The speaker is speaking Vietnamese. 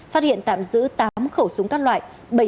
phát hiện tạm giữ tám khẩu súng các loại